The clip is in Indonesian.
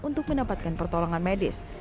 untuk mendapatkan pertolongan medis